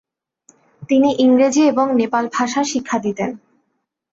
তিনি ইংরেজি এবং নেপাল ভাষা শিক্ষা দিতেন।